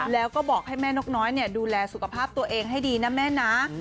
แล้วก็บอกให้แม่นกน้อยดูแลสุขภาพตัวเองให้ดีนะแม่นะ